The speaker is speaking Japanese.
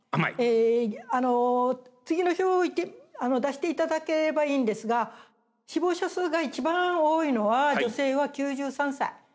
あの次の表を出していただければいいんですが死亡者数が一番多いのは女性は９３歳。